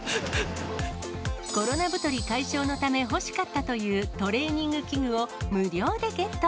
コロナ太り解消のため、欲しかったというトレーニング器具を無料でゲット。